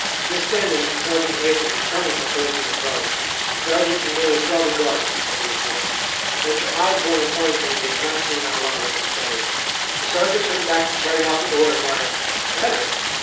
Just then they met Sergeant Latham returning from posting the guard. "Sergeant, you may withdraw the guard," said the Lieutenant; "Mr. Osborne informs me he has not seen our runaway Confederate." The Sergeant turned back to carry out the order, muttering, "Confederate!